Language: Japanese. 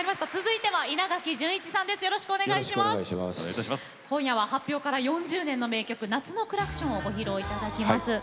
今夜は稲垣さんには発表から４０年の夏の名曲「夏のクラクション」をご披露していただきます。